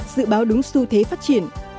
dự báo đúng xu thế phát triển